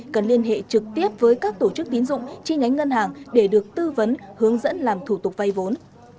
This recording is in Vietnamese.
cần liên hệ trực tiếp với các tổ chức tín dụng chi nhánh ngân hàng để được tư vấn hướng dẫn làm thủ tục vay vốn